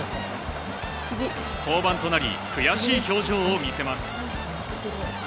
降板となり悔しい表情を見せます。